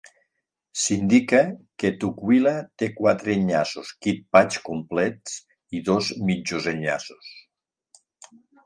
S'indica que Tukwila té quatre enllaços QuickPath "complets" i dos "mitjos" enllaços.